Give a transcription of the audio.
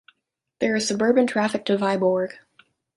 There is suburban traffic to Vyborg.